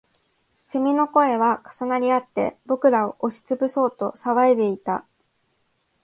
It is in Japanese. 蝉の声は重なりあって、僕らを押しつぶそうと騒いでいた